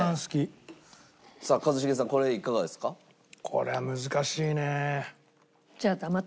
これは難しいね。